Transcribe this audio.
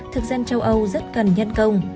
thực dân châu âu rất cần nhân công